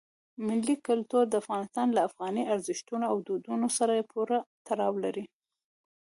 ملي کلتور د افغانستان له افغاني ارزښتونو او دودونو سره پوره تړاو لري.